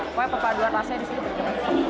pokoknya pepaduan rasanya disini berbeda